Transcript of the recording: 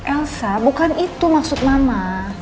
elsa bukan itu maksud mama